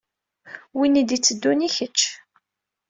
Win i d-itteddun i kečč.